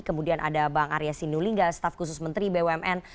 kemudian ada bang arya sinulinga staf khusus menteri bumn